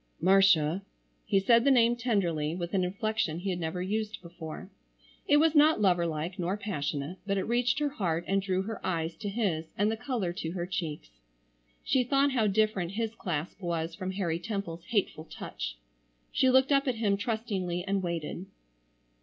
"Marcia!" He said the name tenderly, with an inflection he had never used before. It was not lover like, nor passionate, but it reached her heart and drew her eyes to his and the color to her cheeks. She thought how different his clasp was from Harry Temple's hateful touch. She looked up at him trustingly, and waited.